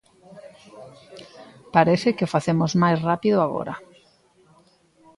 Parece que o facemos máis rápido agora.